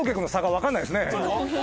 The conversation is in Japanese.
わかんないですね。